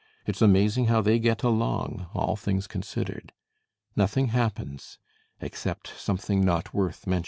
It's amazing how they get along, all things considered. Nothing happens, except something not worth mentioning.